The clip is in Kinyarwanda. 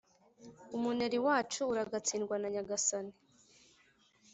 umuneri wacu uragatsindwa nanyagasani